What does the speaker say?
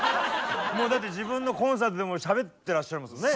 もうだって自分のコンサートでもしゃべってらっしゃいますもんね。